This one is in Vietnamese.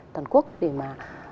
toàn quốc để mà